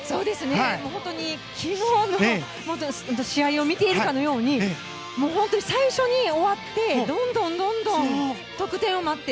本当に昨日の試合を見ているかのように最初に終わってどんどん得点を待って。